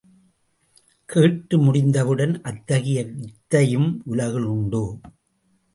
கேட்டு முடிந்தவுடன், அத்தகைய வித்தையும் உலகில் உண்டோ?